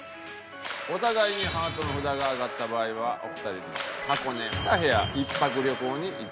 お互いにハートの札が上がった場合はお二人で箱根２部屋１泊旅行に行っていただきます。